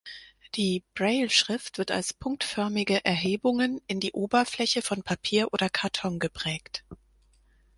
Die Brailleschrift wird als punktförmige Erhebungen in die Oberfläche von Papier oder Karton geprägt.